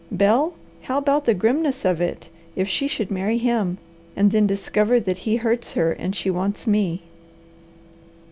Bel, how about the grimness of it, if she should marry him and then discover that he hurts her, and she wants me.